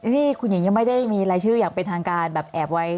นี่คุณหญิงยังไม่ได้มีรายชื่ออย่างเป็นทางการแบบแอบไว้